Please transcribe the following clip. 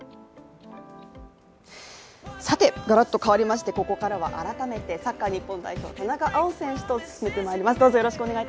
さて、がらっと変わりましてここからは改めてサッカー・日本代表、田中碧選手と進めてまいります。